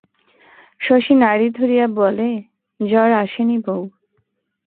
শশী নাড়ি ধরিয়া বলে, জ্বর আসেনি বৌ।